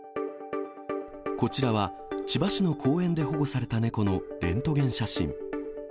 こちらは、千葉市の公園で保護された猫のレントゲン写真。